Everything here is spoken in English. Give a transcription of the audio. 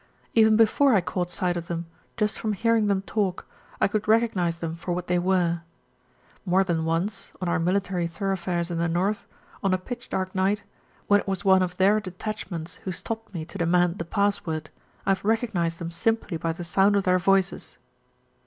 Even before I caught sight of them, just from hearing them talk, I could recognise them for what they were. More than once, on our military thoroughfares in the north, on a pitch dark night, when it was one of their detachments who stopped me to demand the password, I have recognised them simply by the sound of their voices.